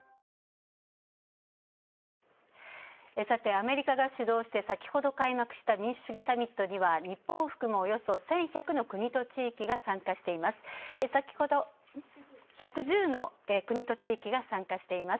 アメリカが主導して先ほど開幕した民主主義サミットでは、日本を含むおよそ１１０の国と地域が参加しています。